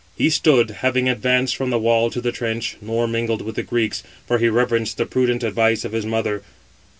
He stood, having advanced from the wall to the trench, nor mingled with the Greeks, for he reverenced the prudent advice of his mother.